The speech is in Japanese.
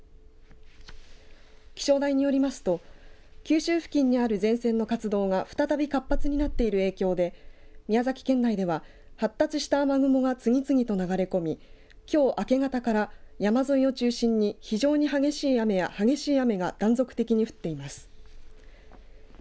気象台によりますと九州付近にある前線の活動が再び活発になっている影響で宮崎県内では発達した雨雲が次々と流れ込みきょう明け方から山沿いを中心に非常に激しい雨や激しい雨が断続的に降っています。